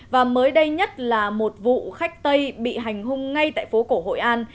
và mới đây nhất là một vụ khách tây bị hành hung ngay tại phố cổ hội an